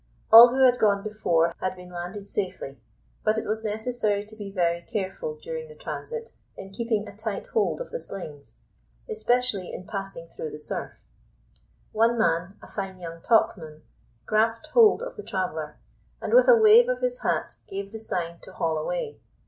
All who had gone before had been landed safely, but it was necessary to be very careful during the transit in keeping a tight hold of the slings, especially in passing through the surf. One man, a fine young topman, grasped hold of the traveller, and with a wave of his hat gave the sign to haul away.